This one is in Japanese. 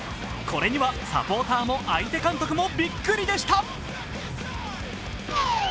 これにはサポーターも相手監督もびっくりでした。